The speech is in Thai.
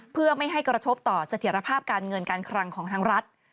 เพื่อไม่ให้กระทบต่อเสถียรภาพการเงินการคลังของทางรัฐ